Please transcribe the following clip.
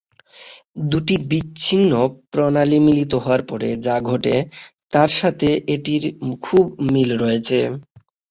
দুটি বিচ্ছিন্ন প্রণালী মিলিত হওয়ার পরে যা ঘটে তার সাথে এটির খুব মিল আছে।